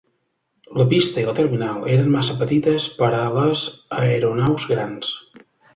La pista i la terminal eren massa petites per a les aeronaus grans.